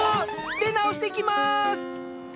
出直してきます！